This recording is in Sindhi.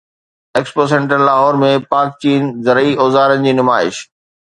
ايڪسپو سينٽر لاهور ۾ پاڪ چين زرعي اوزارن جي نمائش